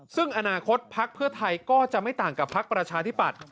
ซึ่งอนาคตพักเพื่อไทยก็จะไม่ต่างกับพักประชาธิปัตย